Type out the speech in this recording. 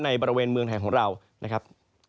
บริเวณเมืองไทยของเรานะครับ